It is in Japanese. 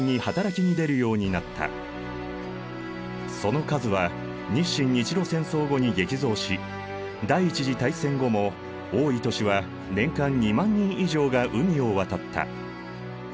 その数は日清・日露戦争後に激増し第一次大戦後も多い年は年間２万人以上が海を渡った。